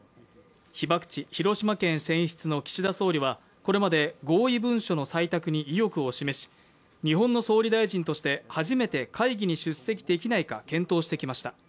被爆地・広島県選出の岸田総理はこれまで合意文書の採択に意欲を示し、日本の総理大臣として初めて会議に出席できないか検討してきました。